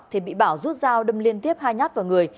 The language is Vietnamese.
thì bị bảo rút dao đâm liên tiếp hai nhát vào người